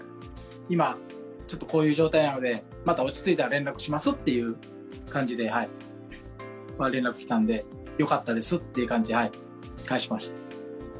今、ちょっとこういう状態なので、また落ち着いたら連絡しますって感じで、連絡来たんで、よかったですっていう感じで返しました。